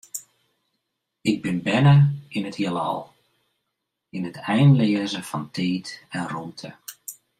Ik bin berne yn it Hielal, yn it einleaze fan tiid en rûmte.